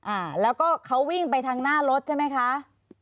อ่าแล้วก็เขาวิ่งไปทางหน้ารถใช่ไหมคะ